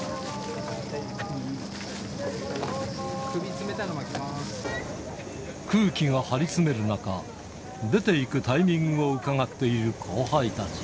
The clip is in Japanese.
首、空気が張り詰める中、出ていくタイミングをうかがっている後輩たち。